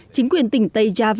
chính quyền tỉnh tây java đảm bảo